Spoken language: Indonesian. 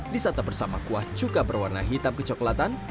disantap bersama kuah cuka berwarna hitam kecoklatan